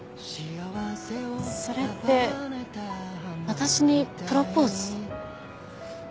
それって私にプロポーズ？